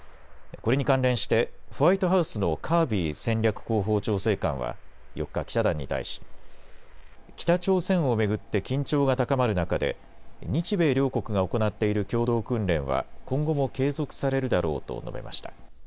これに関連してホワイトハウスのカービー戦略広報調整官は４日、記者団に対し北朝鮮を巡って緊張が高まる中で日米両国が行っている共同訓練は今後も継続されるだろうと述べました。